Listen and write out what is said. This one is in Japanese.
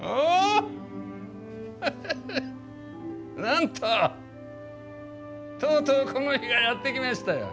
なんととうとうこの日がやって来ましたよ。